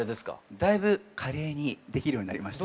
だいぶ華麗にできるようになりました。